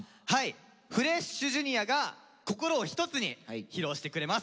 フレッシュＪｒ．が心を一つに披露してくれます。